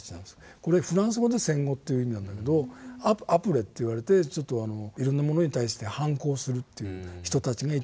これフランス語で戦後という意味なんだけど「アプレ」って言われていろんなものに対して反抗するという人たちがいたんですね。